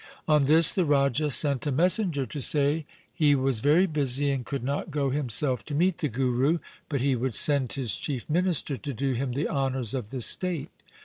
On this the Raja sent a messenger to say he was very busy and could not go himself to meet the Guru, but he would send his chief minister to do him the honours of the state.